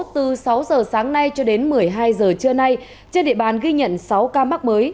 từ sáu giờ sáng nay cho đến một mươi hai giờ trưa nay trên địa bàn ghi nhận sáu ca mắc mới